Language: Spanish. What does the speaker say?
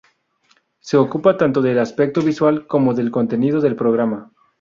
Se ocupa tanto del aspecto visual como del contenido del programa.